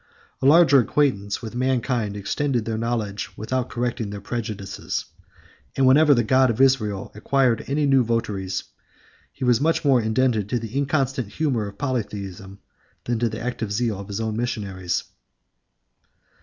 A larger acquaintance with mankind extended their knowledge without correcting their prejudices; and whenever the God of Israel acquired any new votaries, he was much more indebted to the inconstant humor of polytheism than to the active zeal of his own missionaries.